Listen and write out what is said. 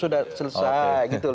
sudah selesai gitu